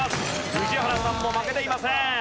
宇治原さんも負けていません。